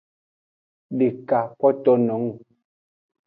Deka kpoto nung.